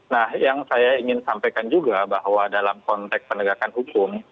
nah yang saya ingin sampaikan juga bahwa dalam konteks penegakan hukum